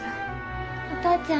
お父ちゃん？